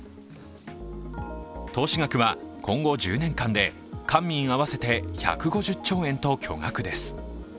投資額は今後１０年間で、官民合わせて１５０兆円と巨額です。